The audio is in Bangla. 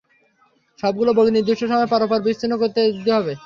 সবগুলো বগি নির্দিষ্ট সময় পরপর বিচ্ছিন্ন করে দিতে হবে।